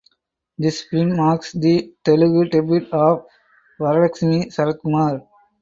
This film marks the Telugu debut of Varalaxmi Sarathkumar.